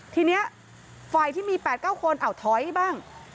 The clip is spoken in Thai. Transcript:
ทีนี้ฝ่ายที่มี๘๙คนเอาถอยบ้าง